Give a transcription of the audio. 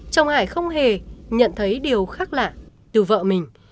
chồng hải không hề nhận thấy điều khác lạ từ vợ mình